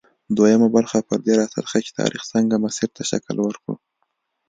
دویمه برخه پر دې راڅرخي چې تاریخ څنګه مسیر ته شکل ورکړ.